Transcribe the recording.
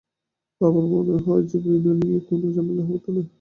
বারবার মনে হতে লাগল, বিনুর বিয়ে নিয়ে কোনো ঝামেলা হবে না তো?